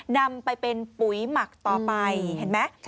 นำไปเป็นปุ๋ยหมักต่อไปเห็นไหม